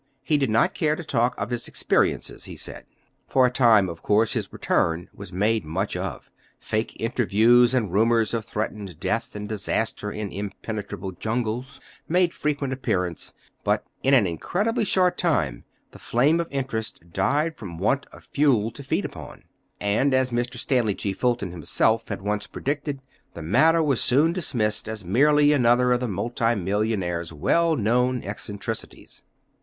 He did not care to talk of his experiences, he said. For a time, of course, his return was made much of. Fake interviews and rumors of threatened death and disaster in impenetrable jungles made frequent appearance; but in an incredibly short time the flame of interest died from want of fuel to feed upon; and, as Mr. Stanley G. Fulton himself had once predicted, the matter was soon dismissed as merely another of the multi millionaire's well known eccentricities.